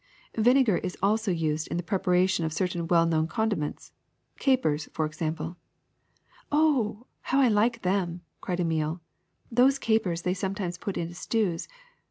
''*^ Vinegar is also used in the preparation of cer tain well kno^Ti condiments — capers, for example.'' 0h, how I like them!" cried Emile, 'Hhose capers they sometimes put into stews.